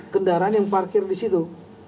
kendaraan yang parkir di situ